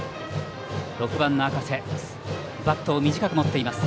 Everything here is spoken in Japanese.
６番の赤瀬バットを短く持っています。